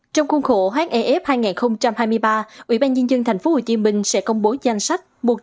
trong khuôn khổ hoán ef hai nghìn hai mươi ba ubnd tp hcm sẽ công bố danh sách